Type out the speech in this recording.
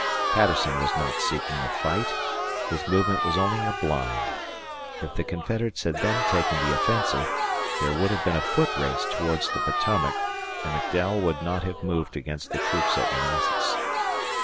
Patterson was not seeking a fight; his movement was only a blind. If the Confederates had then taken the offensive, there would have been a footrace towards the Potomac, and McDowell would not have moved against the troops at Manassas.